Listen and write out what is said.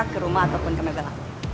ke rumah ataupun ke megalak